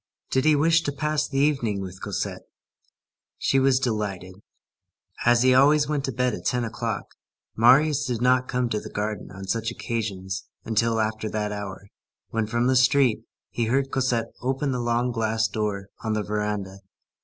Did he wish to pass the evening with Cosette? She was delighted. As he always went to bed at ten o'clock, Marius did not come to the garden on such occasions until after that hour, when, from the street, he heard Cosette open the long glass door on the veranda.